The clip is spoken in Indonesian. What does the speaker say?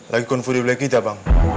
lagi konfusi beli kita bang